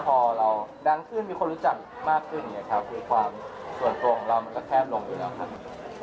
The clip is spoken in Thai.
พอเราดังขึ้นมีคนรู้จักมากขึ้นคือความส่วนตัวของเรามันจะแคบลงอยู่แล้วค่ะ